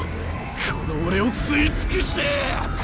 この俺を吸い尽くして。